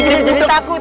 gue jadi takut